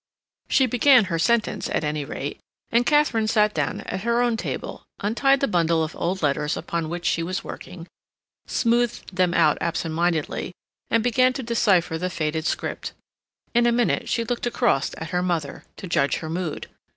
She began her sentence, at any rate, and Katharine sat down at her own table, untied the bundle of old letters upon which she was working, smoothed them out absent mindedly, and began to decipher the faded script. In a minute she looked across at her mother, to judge her mood.